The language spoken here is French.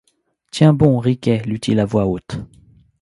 Tiens bon, Riquet, lut-il à voix haute.